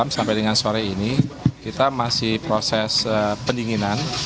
sampai dengan sore ini kita masih proses pendinginan